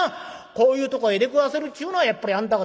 こういうとこへ出くわせるっちゅうのはやっぱりあんた方